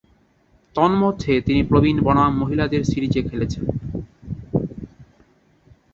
তন্মধ্যে তিনি প্রবীণ বনাম মহিলাদের সিরিজে খেলেছেন।